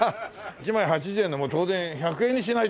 １枚８０円のも当然１００円にしないと。